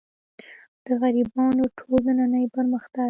د غربیانو ټول نننۍ پرمختګ.